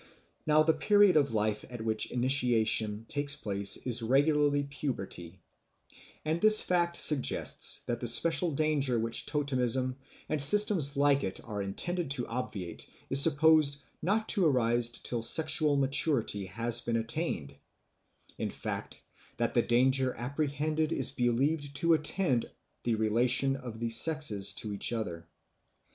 Now the period of life at which initiation takes place is regularly puberty; and this fact suggests that the special danger which totemism and systems like it are intended to obviate is supposed not to arise till sexual maturity has been attained, in fact, that the danger apprehended is believed to attend the relation of the sexes to each other.